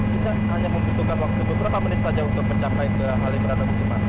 kita hanya membutuhkan waktu beberapa menit saja untuk mencapai ke halimbrana kutuma